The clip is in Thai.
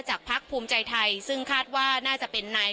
พักภูมิใจไทยซึ่งคาดว่าน่าจะเป็นนาย